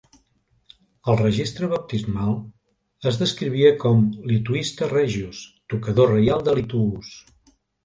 Al registre baptismal es descrivia com "Lituista Regius" - "tocador reial de lituus".